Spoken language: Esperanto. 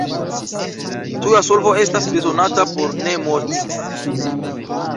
Tuja solvo estas bezonata por ne morti.